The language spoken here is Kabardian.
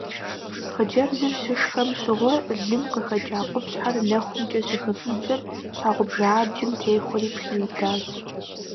Хъыджэбзыр щышхэм щыгъуэ лым къыхэкӀа къупщхьэр нэхумкӀэ щыхыфӀидзэм щхьэгъубжэ абджым техуэри пхиудащ.